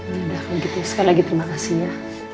sekali lagi terima kasih ya